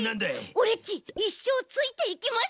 オレっちいっしょうついていきます！